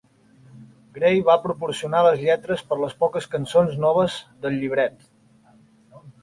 Grey va proporcionar les lletres per les poques cançons noves del llibret.